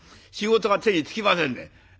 仕事が手につきませんで。